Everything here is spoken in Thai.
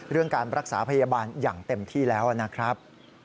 เรื่องการรักษาพยาบาลอย่างเต็มที่แล้วนะครับ